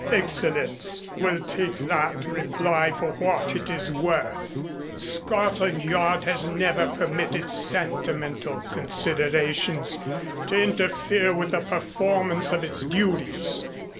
"Excellenz will take that reply for what it is worth. Scotland Yard has never permitted sentimental considerations to interfere with the performance of its duties."